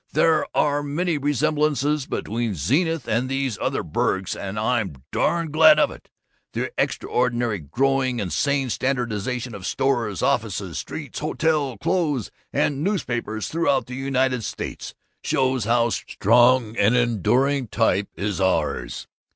There are many resemblances between Zenith and these other burgs, and I'm darn glad of it! The extraordinary, growing, and sane standardization of stores, offices, streets, hotels, clothes, and newspapers throughout the United States shows how strong and enduring a type is ours.